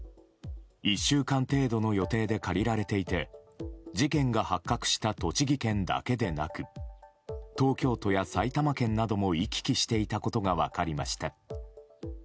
１週間程度の予定で借りられていて事件が発覚した栃木県だけでなく東京都や埼玉県なども行き来していたことが分かりました。